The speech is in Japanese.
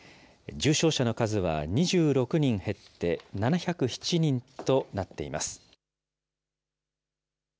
重症者の数は２６人減って、７０７人となっています。